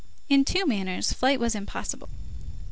In two manners, flight was impossible.